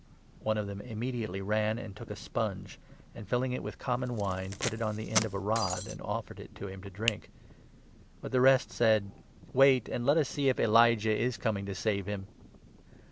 " One of them immediately ran and took a sponge, and, filling 48 it with common wine, put it on the end of a rod, and offered it to him to drink. But the rest said : 49 " Wait and let us see if Elijah is coming to save him."